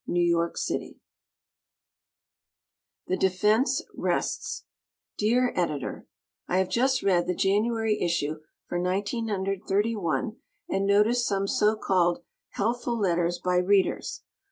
New York City. The Defense Rests Dear Editor: I have just read the January issue for 1931 and noticed some so called helpful letters by Readers.